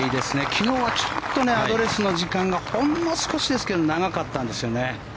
昨日はちょっとアドレスの時間がほんの少しですが長かったんですよね。